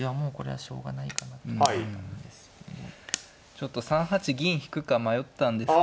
ちょっと３八銀引くか迷ったんですけど。